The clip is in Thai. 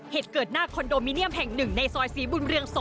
เหตุเกิดหน้าคอนโดมิเนียมแห่ง๑ในซอยศรีบุญเรือง๒